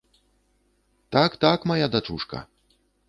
Так, так, мая дачушка!